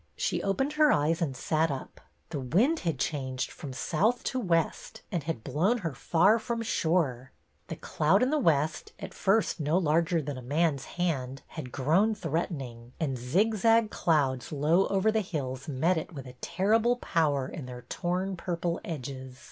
She opened her eyes and sat up. The wind had changed from south to west and had blown her far from shore. The cloud in the west, at first no larger than a man's hand, had grown threatening, and zigzag clouds low over the hills met it with a terrible power in their torn purple edges.